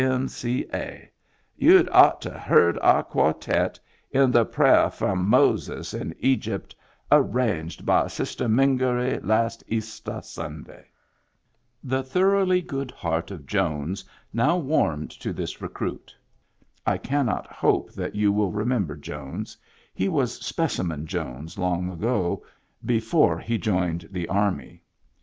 M. C. A. You'd ought to heard our quartet in the prayer from ' Moses in Digitized by Google 100 MEMBERS OF THE FAMILY Egypt,' arranged by Sistah Mingory last Eastah Sunday." The thoroughly good heart of Jones now warmed to this recruit. (I cannot hope that you will remember Jones. He was Specimen Jones long ago, before he joined the Army.